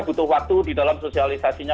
butuh waktu di dalam sosialisasinya